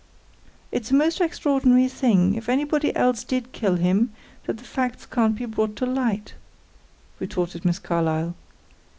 "It's a most extraordinary thing, if anybody else did kill him, that the facts can't be brought to light," retorted Miss Carlyle.